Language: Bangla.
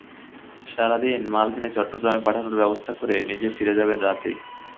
সারা দিন মাল কিনে চট্টগ্রামে পাঠানোর ব্যবস্থা করে নিজে ফিরে যাবেন রাতেই।